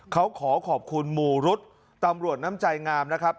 เขาขอขอบคุณหมู่รุ๊ดตำรวจน้ำใจงามนะครับ